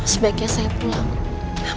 sebaiknya saya pulang